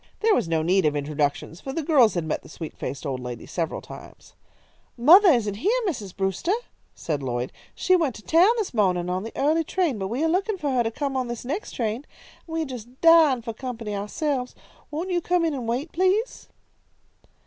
There was no need of introductions, for the girls had met the sweet faced old lady several times. "Mothah isn't heah, Mrs. Brewster," said Lloyd. "She went to town this mawnin' on the early train, but we are lookin' fo' her to come on this next train. And we are just dyin' fo' company, ou'selves. Won't you come in an' wait, please?"